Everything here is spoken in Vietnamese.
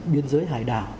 biên giới hải đảo